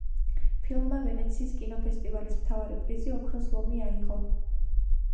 ფილმმა ვენეციის კინოფესტივალის მთავარი პრიზი, ოქროს ლომი აიღო.